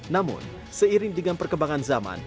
namun seiring dengan perkembangan zaman